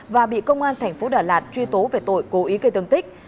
và bị công an thành phố đà lạt truy tố về tội cố ý gây thương tích